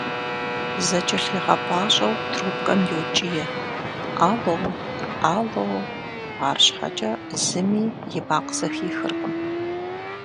ЗэкIэлъигъэпIащIэу трубкэм йокIие: «Алло! Алло!» АрщхьэкIэ зыми и макъ зэхихыркъым.